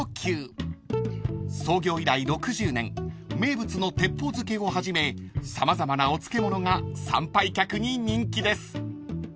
［創業以来６０年名物の鉄砲漬をはじめ様々なお漬物が参拝客に人気です］